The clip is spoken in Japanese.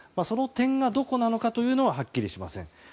その点が、どこなのかというのははっきりしません。